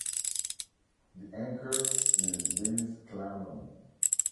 The anchor is Liz Claman.